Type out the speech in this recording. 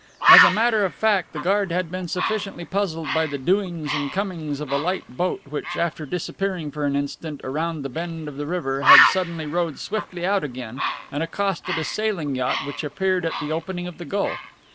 As a matter of fact the guard had been sufficiently puzzled by the doings and comings of a light boat which, after disappearing for an instant, around the bend of the river, had suddenly rowed swiftly out again and accosted a sailing yacht which appeared at the opening of the gulf.